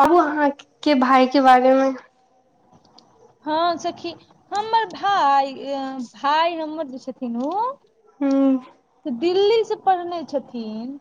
कहू, अहाँक भायके बारेमे। हँ सखी, हमर भाय भाय हमर जे छथिन ओ। हू से दिल्ली से पढ़ने छथिन।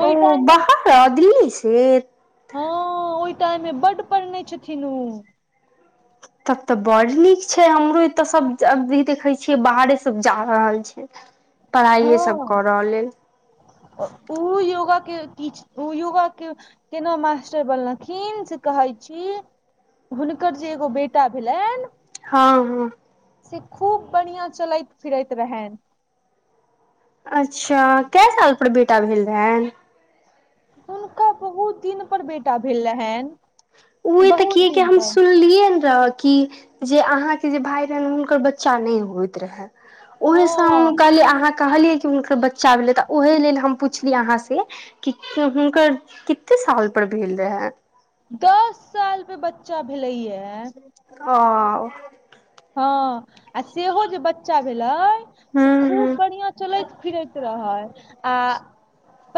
ओहि ओ टाइम मे बाहर दिल्ली से। हँ ओहि टाइमे बड्ड पढ़ने छथिन ओ। तब ते बड़ नीक छै हमरो एताे सब अी देखे छीये बाहरे सब जा रहल छै ह [inaudible] पढ़ाइए सब कऽ र लेल ओ योगा के ओ योगा के केना मास्टर बनलखिन से कहै छी हुनकर जे एगो बेटा भेलनि हँ हँ से खूब बढ़िआँ चलैत फिरैत रहनि अच्छा क साल पर बेटा भेल रहनि हुनका बहुत दिन पर बेटा भेल रहनि उह तऽ बहुत क कि दिन हम पर सुनलियै ने रह कि जे अहाँके जे भाय रहनि हुनकर बच्चा नहि होइत रहै ओहे सँ हम हँ कहलिए अहाँ कहलियै कि हुनकर बच्चा भेलै तऽ ओह लेल हम पुछलियै अहाँ से कि हुनकर कते साल पर भेल रहै दस साल साल पे बच्चा भेलै या ओ हँ आ सेहो जे बच्चा भेलै से खूब हूँ बढ़िया चलै फिरेत रहै आ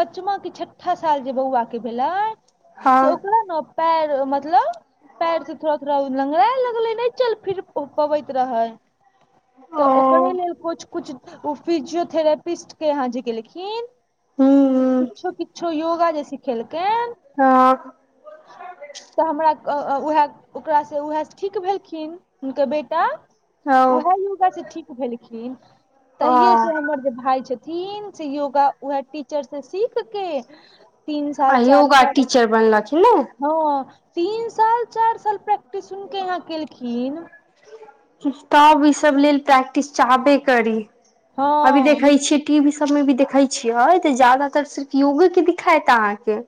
पचमा के छठा साल जे बौआ के भेलै से हँ ओकरा ने पएर मतलब पएरसँ थोड़ा थोड़ा लँगराै लगलै नहि चल फिर ओ पबैत रहै ओ तऽ ओकरे लेल किछु किुछु ओ फिजियोथेरापिस्ट के यहाँ जे गेलेलखिन तऽ हूँ किछो किछो योगा जे सिखेलकैन हँ तऽ हमरा उएह ओकरासँ उएह ठीक भेलखिन हुनकर बेटा उएह हँ योगा से ठीक भेलखिन तहिे हँ से हमर जे भाय छथि थिन से योगा उएह टीचर से सीख के तीन आ साल चार योगा साल टीचर बनलखिन न हँ तीन साल चारि साल प्रैक्टिस उनक केे यहाँ केलखिन तब ई सब लेल प्रैक्टिस चाहबे करी अभी हँ देखै हुन- छीयै टीवी सब मे भी देखै छियै तऽ ज्यदातर सिर्फ योगे के दिखायत अहाँके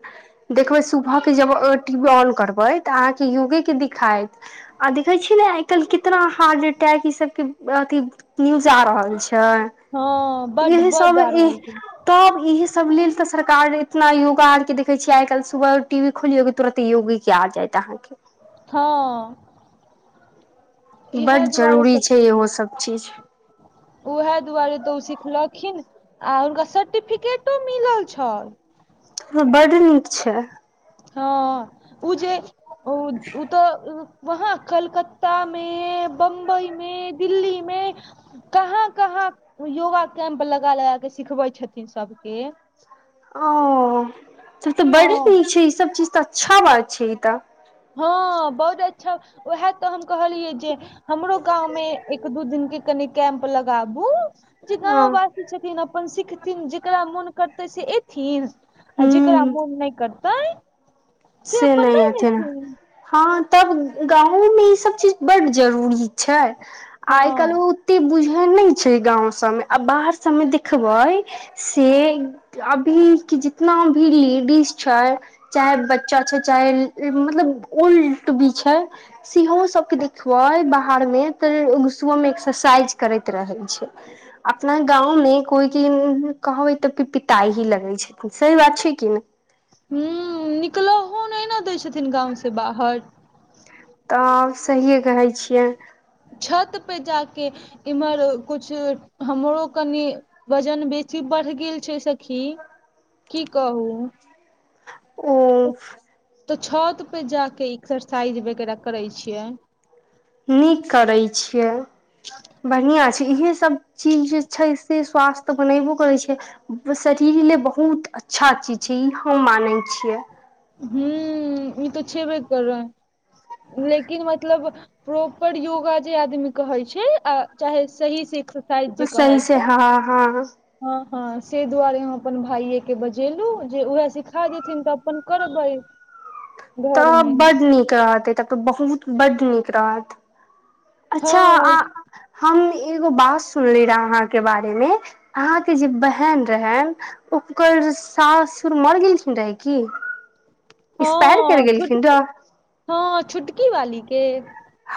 देखबै सुबह के जब टी वी ऑन करबै तऽ अहाँके योगे के दिखाइत आ देखे छी ने आइ कल्हि कितना हार्ट अटैक ई सब के अथि न्यूज आ रहल हँ छै बड इह बड सब आ ई रहल छै तब इहे सब लेल त सरकार एतना योगा आर के देखे छीये आय कल सुबह टीवी खोलियोग के तुरंत योग के आ जायत अहाँके हँ इएह बड्ड दुआरे जरूरी छै सखी इहो सब चीज उएह दुआरे तऽ ओ सिखलखिन आ हुनका सर्टिफिकेटो मिलल छै हँ बड नीक छै हँ उ जे ओ उत तऽ वहा कलकत्ता में बम्बई में दिल्ली में कहाँ कहाँ योगा कैम्प लगा लगा क सिखबै छथिन सबके ओ त तऽ हँ बड़ नीक छै ई सब चीज तऽ अच्छा बात छै ई तऽ हँ बहुत अच्छा उएह तऽ हम कहलियै जे हमरो गाँंव मे एक दू दिन के कनि कैम्प लगाबू जे ह गाँववासी छथिन अपन सिखथिन जेकरा मोन करतै से एथिन आ जेकरा ह मोन नहि करतै से नहि अथ हँ तब गाँवोमे ई सब चीज बड्ड जरूरी छै आइ हँ काल्हि ओ एते बुझै नहि छै गाँव सबमे आ बाहर सभमे देखबै ओ अभी के जितना भी लेडीज छै चाहे बचा छै चाहे मतलब ओल्ट भी छै सेहो सबके देखबै बाहर मे तऽ सुब मे एक्सरसाइज करैत रहे छै अपना गाँव मे कोइ की कहबै तब कि पिता ही लगै छथिन सही बात छै कि ने ह निकलहो नहिना दै छथिन गाँव से बाहर तऽ सहिए कहै छियै छत पे जाके इम्हर कछु हमरो कनि वजन बेसी बढ़ गेल छै सखी की कहू ओ तऽ छतपर जाके एक्सरसाइज वगैराह करै छियै नीक करै छियै बढ़िआँ छै इहे सब चीज जे छै से स्वास्थ बनेबो करै छै शरीर ल लेल बहुत अच्छा चीज छै ई हम मानै छियै हू ई तो छेबे कर रहे हैं लेकिन मतलब प्रॉपर योगा जे आदमी कहै छै आ चाहे सही से एक्सरसाइज जे कहै सही से छै हँ हँ हँ हँ ताहि दुआरे हम अपन भाइयके बजेलहुँ जे उएह सिखा देथिन तऽ अपन कर बइ तऽ बड नीक रहते तब तऽ बहुत बड नीक रहत अच्छा हँ हम एगो बात सुनले रहे अहाँके बारे मे अहाँके जे बहन रहै उपकर सासुर मर गेलखिन रहै कि हँ छोटकी हँ छोटकी वालीके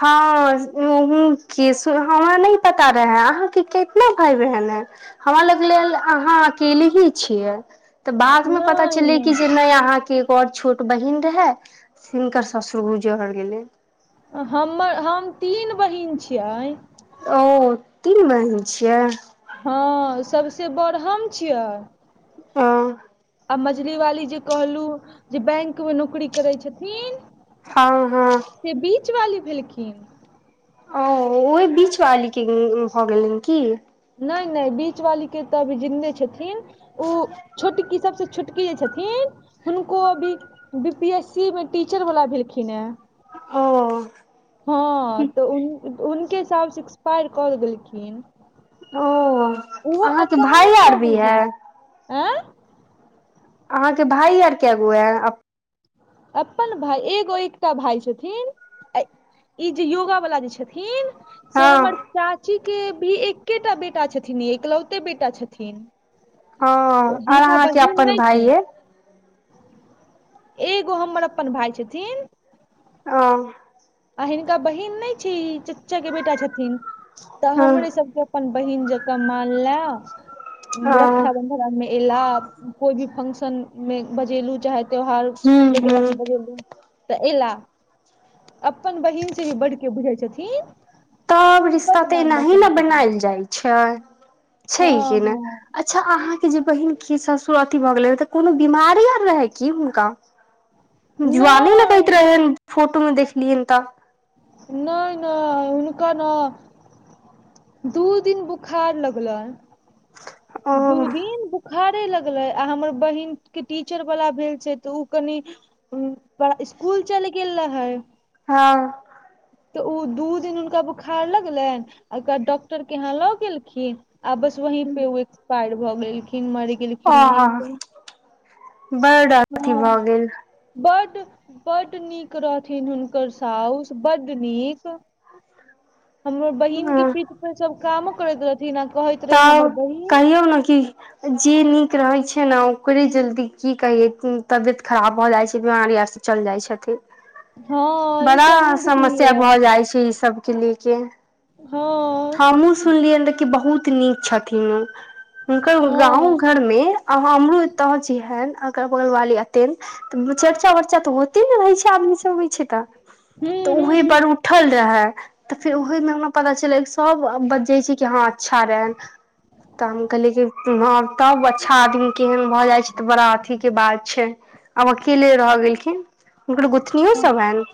हँ उ क हमरा नहि पता रहेै अहाके कितना भाय बहन है हमरा लग लेल अहाँ अकेले ही छियै तऽ बाद मे पता चलले कि जे नहि अहाँके पर छोट बहिन रहे हिनकर ससुर गुजर गेलै हमर हम तीन बहिन छियै ओ तीन बहीन छियै हँ सबसे बड़हम छियै आ आ मझली वाली जे कहलु जे बैंक मे नौकरी करै छथिन हँ हँ से बीच वाली भेलखिन ओ ओहि बीच वाली के भऽ गेलनि की नहि नहि बीच वाली के तऽ अभी जिंदे छथिन ओ छोटकी सबसँ छो टकि जे छथिन हुनको अभी बी पी एस सी मे टीचर वाला भेलखिन हे ओ हँ तऽ उनके साउस एक्सपायर कऽ गेलखिन ओ ओहो अहाँके भाय आर भी है आँ अहाँके भाई आर क गो है अपन भाय एगो एकटा भाय छथिन ई जे योगा वला जे छथिन से हमर हँ चाची के भी एकेटा बेटा छथिन एकलौते बेटा छथिन हं तऽ आर हिनका अहाँके बहिन अपन नहि भाय छै ये एगो हमर अपन भाय छथिन ओ आ हिनका बहिन नहि छै ई चच्चा के बेटा छथिन तऽ हमरे सबके अपन बहिन जकाँ मानल हूँ रक्षा बंधन एला कोई भी फंक्शन मे बजेलू चाहे त्यौहार वगैरह में बजेलू तऽ ऐला अपन बहिन से भी बडकी बहीन छथिन सब रिश्ता बड तऽ मानदा एनाही ने करै छथिन बनायल जाइ छै छै हँ कि ने हँ अच्छा अहाँके जे बहिन की ससुर अथी भऽ गेले रह त कोनो बीमारी आर रहे की हुनका जुआले लगैत नहि रहे ह फोटो मे देखलियैन तऽ नहि नहि हुनका न दू दिन बुखार लगलै ओ दू दिन खारे लगलै आ हमर बहिनक के टीचर वाला भेल छै तऽ ओ कनि स्कूल चल गेल रहे हँ तऽ ओ दू दिन हुनका बोखार लगलनि आ ओय के बाद डॉक्टर के यहा लऽ गेलखिन आ बस वही पे ओ एक्सपायर भऽ गेलखिन मर गेल आ बड अथी भऽ गेल बड बड नीक रहथिन हुनकर साउस बड नीक हमरो बहिन के गेल पीठ सब काम करैत रहथिन आ कहै तब कहियौ ने कि जे नीक रहैत छै ने ओकरे जल्दी की कहियै तबियत खराब भऽ जाइ छै बीमारी आरसँ चल जाइ छथिन हँ ई बड़ा तऽ हमहुँ समस्या देखलियै ह भऽ जाइ छै ई सब के ले के हँ हमहुँ सुनलियनि देख बहुत नीक छथिन ओ हुनकर गाँव हँ घर मे अ हमरो एतऽ छीहेन अ बगल बाली एत तऽ चर्चा वर्चा तऽ होते ने रहै छै आदमीसभ अबइ छै तऽ तऽ ओही पर हूँ उठल रह है तऽ फेर ओहमे हमरा पता चल एक सब बजै छै कि हँ अच्छा रहै तऽ हम कहलियै कि ह तब अच्छा आदमी केहन भऽ जाइ छै तऽ बड़ा अथी के बात छै आब अकेले रहहि गेलखिन हुनकर गुथनो हूँ सब हैनि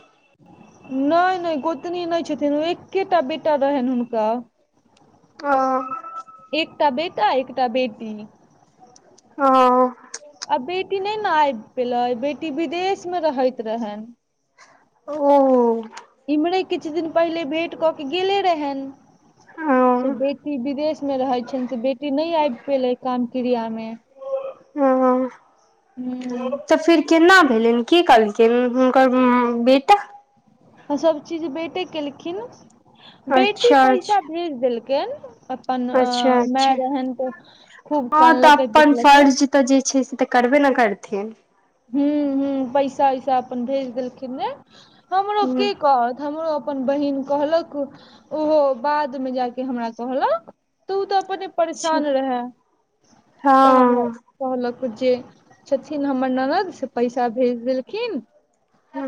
नहि नहि गोतनी नहि छथिन ओ एकेटा बेटा रहनि हुनका आ एकटा बेटा एकटा बेटी हँ आ बेटी नहि ने आबि पेलै बेटी विदेश मे रहैत रहेन ओ इम्हरे किछु दिन पहिले भेँट कऽ के गेले रहल से बेटी विदेश मे रहै छ से बेटी नहि आबि पेले काम क्रिया मे हँ हूँ तऽ फेर केना भेलनि की कहलखिन हुनकर बेटा सब चीज बेटे केलखिन बेटी अच्छा पैसा अच्छा भेज देलखिन अपन अ अच्छा माई अच्छा रहे हन तो खूब हँ तऽ कानलक अपन पिटलक फर्ज तऽ जे छै से तऽ करबे ने करथिन ह ह पैसा उैसा अपन भेज देलखिन ने हमरो ह के कहत हमरो अपन बहिन कहलक ओहो बाद मे जाके हमरा कहलक तु अपने तऽ अपने परेशान रहए तऽ हमरा हँ कहलक जे छथिन हमर पस् से पैसा भेज देलखिन ह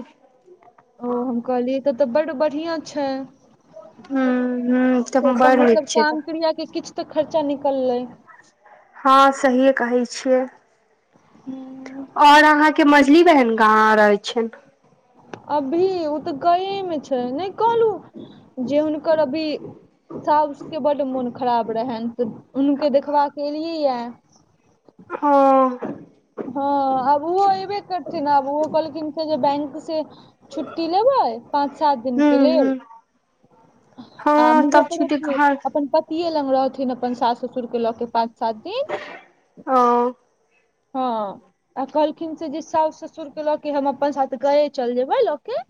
ओ हम कहलियै तो तऽ बड्ड बढ़िया छै हूं हूं से अपन मतलब काम क्रिया के किछु तऽ खर्चा निकललै हँ सहिए कहै छियै हू और अहाँ के मझली बहन कहाँ रहै छै अभी ओ तऽ गएमे छै नहि कहलहु जे हुनकर अभी साासके बड्ड मोन खराब रहे तऽ उनूके देखबाका के एलियै य हँ हँ आब ओहो अयबे करथिन आब ओहो कहलखिन से जे बैंक से छुट्टी लेबै पाँच सात दिनके हुँ लेल हुँ आ हँ तब छुटी मुजफ्फरेपुर घर अपन प इये लग रहथिन अपन सास ससुर के लऽ के पाँच सात दिन ओ हँ आ कहलखिन से जे साास ससुर के लऽ के हम अपन साथ गए चलि जेबै लऽ के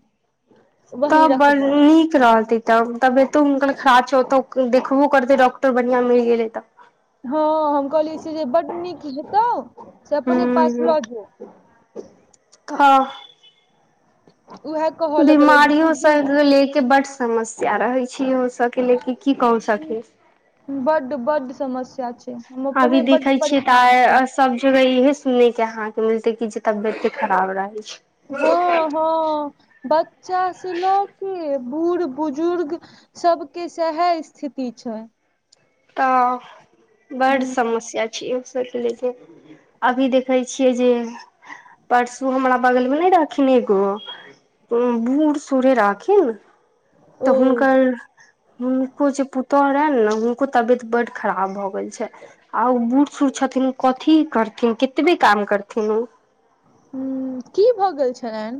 वही तब बड़ रखबै नीक रहतै तब तबियतो हुनकर खराब छै ओतऽ देखबो करतै डॉक्टर बढ़िआँ मिल गेलै तऽ हँ हम कहली से जे बड नीक हेतौ से अपने पास ल कह उएह कहऽ लगलै जे दीदी बीमारियोसँ लेके बठ समस्या रहै छी ओ सबके लेके की कहु सखी बड्ड बड्ड समस्या छै हम अभी अपने बड्ड देखै छियै परेशान छी तऽ सब जगह इहे सुनै के अहाँके मिलते क जे तबियत के खराब रहै छै हँ हँ बच्चा से लऽ के बूढ़ बुजुर्ग सब के सहे स्थिति छै तऽ बड ह समस्या छै लेल अभी देखै छियै जे परसू हमरा बगलमे नहि रहखिन एगो बूढ़ सूड़े राखीन ओ तऽ हुनकर हुनको जे पुतह रहनि ने तबियत बड्ड खराब भऽ गेल छै आ बूढ़ सूढ़ छथिन ओ कथी करथिन कतबे काम करथिन ओ ह की भऽ गेल छलनि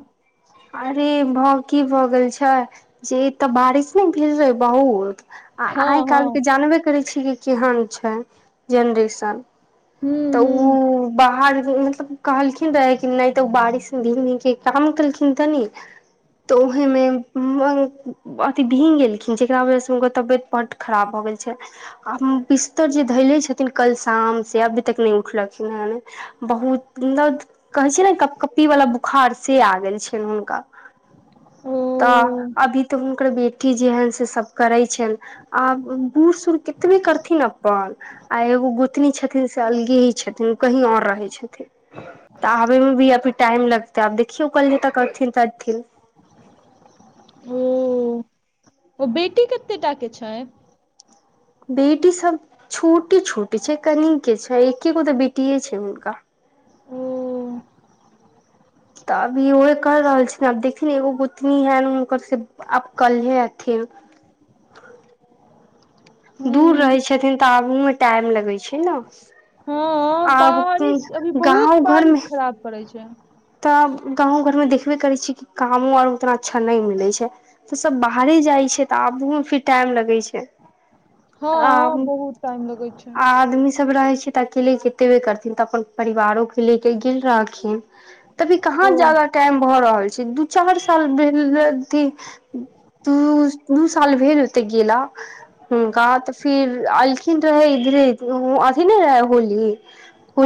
अरे भाव की भऽ गेल छै जे तऽ बारिश नहि भेल रहै बहुत आ आइ हँ हँ काल्हिके जानबे करै छी कि केहन छै जेनरेशन हूँ तऽ ओ हूँ बाहर मतलब कहलखिन रहै कि नहि तऽ ओ बारिश दिन के काम केलखिन तनी तऽ उहिमे अथि भिंग गेलखिन जकरा वजहसँ हुनकर तबियत बड्ड खराब भऽ गेल छै आ बिस्तर जे धैले छथिन कल शाम से अभी तक नहि उठलखिन हेन बहुत मतलब कहे छै ने कप कप्पी वाला बुखार से आ गेल छै हुनका ओ तऽ अभी तऽ हुनक बेट टी जे हेन से सब करै छ आब बूढ़ सूढ़ केतबे करथिन अपन आ एगो गोतनी छथिन से अलगे ही छथिन ओ कहीं आओर रहै छथिन तऽ आबे मे भी अभी टाईम लगतै आब देखियौ कल्हे तक अबथिन त अबथिन हूँ ओ बेटी कतेटा के छै बेटी सब छोटे छोटे छै कन के छै एके गो तऽ बेटीे छै हुनका ओ तऽ अभी उहे कर रहल छी आब देखथि एगो गोतनी है हुनकर से आब कल्हे अथी दूर रहै हूँ छथिन तऽ आबूहू मे टाईम लगै छै ने हँ आब बारिश अभी बहुत गाँव बारिश घरमे खराब पड़ै छै तऽ गाँव घरमें देखबे करै छियै कि कामो आर उतना अच्छा नहि मिलै छै तऽ सब बाहरे जाइ छै तऽ आबहु मे फिर टाइम लगे छै हँ आ बहुत टाइम लगै छै आदमी सब रहै छै अकेले केतेबे करथिन तऽ अपन परिवारो के ले के गेल रहथिन तभी कहाँ ओ जादा टाईम भऽ रहल छै दू चार साल भेल अथी तू दू साल भेल हैते गेला हुनका तऽ फिर अलखिन रहै इधरे अथी नहि रहै होली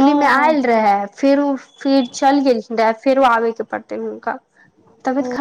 हँ में हँ आयल रहे फेर ओ फिर चल गेल देत फेरो आबे के पड़तै हुनका तबैत ख